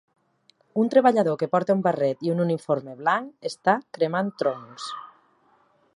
Un treballador que porta un barret i un uniforme blanc està cremant troncs